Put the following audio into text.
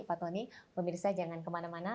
pak tony pemirsa jangan kemana mana